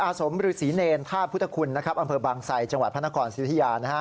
สมฤษีเนรธาตุพุทธคุณนะครับอำเภอบางไซจังหวัดพระนครสิทธิยา